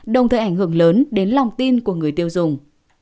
đồng thời ảnh hưởng lớn đến lòng tin của người tiêu dùng